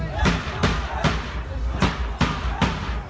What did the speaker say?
มันอาจจะไม่เอาเห็น